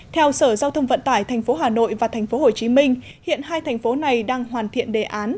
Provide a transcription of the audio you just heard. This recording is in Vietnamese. theo sở giao thông vận tải tp hà nội và tp hồ chí minh hiện hai thành phố này đang hoàn thiện đề án